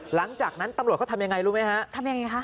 หลังจากนั้นตำรวจเขาทำยังไงรู้ไหมคะ